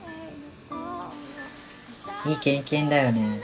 いい経験だよね。